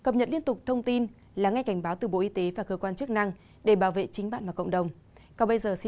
một là tiếp tục